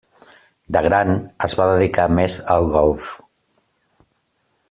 De gran es va dedicar més al golf.